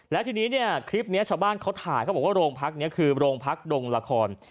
แล้วทีนี้เนี่ยคลิปนี้ชาวบ้านเขาถ่ายเขาบอกว่าโรงพักนี้คือโรงพักดงละคร